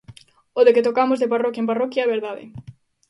O de que tocamos de parroquia en parroquia é verdade.